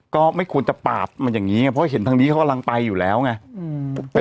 ก็ไม่ควรจะปาดมันอย่างนี้ไงเพราะเห็นทางนี้เขากำลังไปอยู่แล้วไง